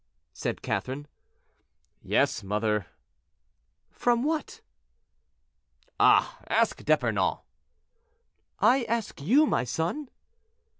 said Catherine. "Yes, mother." "From what?" "Ah! ask D'Epernon." "I ask you, my son."